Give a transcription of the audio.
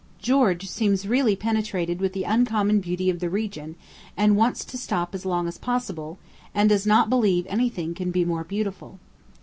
George seems really penetrated with the uncommon beauty of the region, and wants to stop as long as possible, and does not believe any thing can be more beautiful.